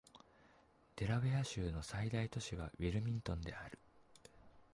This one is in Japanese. デラウェア州の最大都市はウィルミントンである